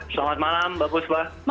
selamat malam bagus mbak